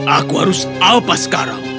aku harus apa sekarang